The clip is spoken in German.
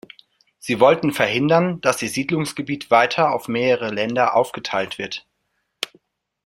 Sie wollten verhindern, dass ihr Siedlungsgebiet weiter auf mehrere Länder aufgeteilt wird.